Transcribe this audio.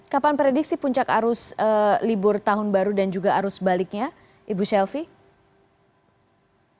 kapan prediksi puncak arus libur tahun baru dan juga arus baliknya ibu shelfie